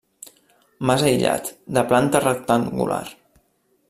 Mas aïllat, de planta rectangular.